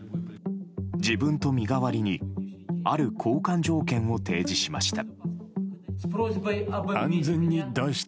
自分と身代わりにある交換条件を提示しました。